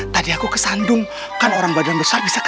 tidak ada apa apa kok